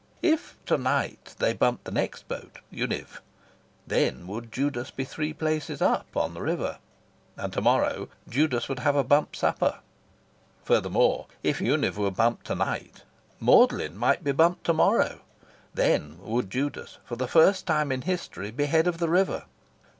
If to night they bumped the next boat, Univ., then would Judas be three places "up" on the river; and to morrow Judas would have a Bump Supper. Furthermore, if Univ. were bumped to night, Magdalen might be bumped to morrow. Then would Judas, for the first time in history, be head of the river.